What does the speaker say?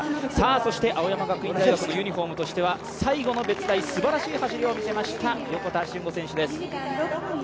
そして青山学院大学のユニフォームとしては最後の別大、すばらしい走りを見せました横田俊吾選手です。